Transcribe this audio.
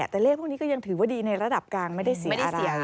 แต่เลขพวกนี้ก็ยังถือว่าดีในระดับกลางไม่ได้เสีย